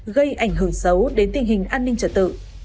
gây ảnh hưởng xấu đến tình hình an ninh trật tự